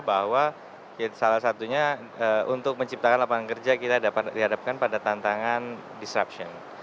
bahwa salah satunya untuk menciptakan lapangan kerja kita dihadapkan pada tantangan disruption